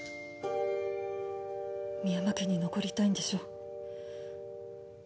深山家に残りたいんでしょ？